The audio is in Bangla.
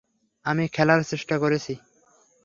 আমি খেলার চেষ্টা করেছি।